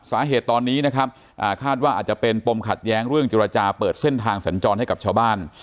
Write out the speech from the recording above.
สาเหตุตอนนี้นะครับคาดว่าอาจจะเป็นปมขัดแย้งเรื่องจิรจาเปิดเส้นทางสัญจรให้กับชาวบ้าน